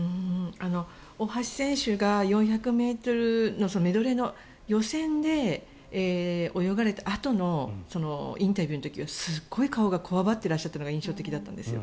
大橋選手が４００ｍのメドレーの予選で泳がれたあとのインタビューの時、すごい顔がこわばっていらっしゃったのが印象的だったんです。